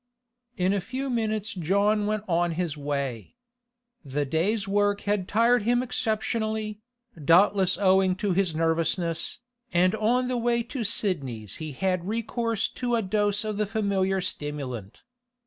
In a few minutes John went on his way. The day's work had tired him exceptionally, doubtless owing to his nervousness, and again on the way to Sidney's he had recourse to a dose of the familiar stimulant.